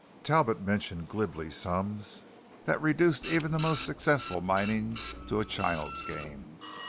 Talbot mentioned glibly sums that reduced even the most successful mining to a child's game.